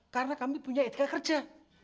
karena kamu punya etika kerja